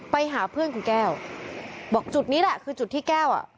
ไปหาเพื่อนคุณแก้วบอกจุดนี้แหละคือจุดที่แก้วอ่ะ